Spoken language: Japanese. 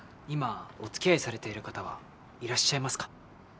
今お付き合いされている方はいらっしゃいますか？